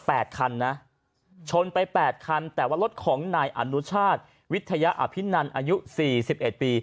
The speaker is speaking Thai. แปดคันนะชนไปแปดคันแต่ว่ารถของนายอนุชาติวิทยาอภินันอายุสี่สิบเอ็ดปี